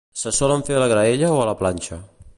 Se solen fer a la graella o a la planxa.